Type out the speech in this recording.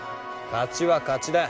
勝ちは勝ちだ。